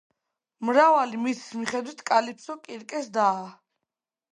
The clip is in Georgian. მრავალი მითის მიხედვით კალიფსო კირკეს დაა.